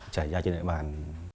trải ra trên địa bàn